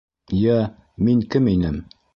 Йә, мин кем инем?